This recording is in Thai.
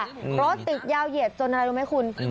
รถติดยาวเหยียดจนอะไรรู้ไหมคุณ